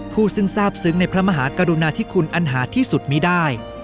ซึ่งทราบซึ้งในพระมหากรุณาธิคุณอันหาที่สุดมีได้